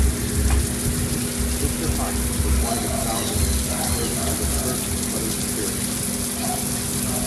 Sister Hynes was one of its founders, serving as its first mother superior.